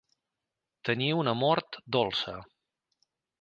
Tenir una mort dolça.